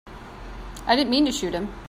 I didn't mean to shoot him.